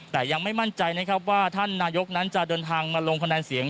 แต่ยังไม่มั่นใจนะครับว่าท่านนายกนั้นจะเดินทางมาลงคะแนนเสียง